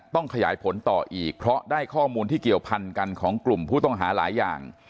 ต้องขยายผลต่ออีกเพราะได้ข้อมูลที่เกี่ยวพันกันของกลุ่มผู้ต้องหาหลายอย่าง